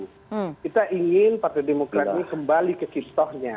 kita ingin partai demokrat ini kembali ke kistohnya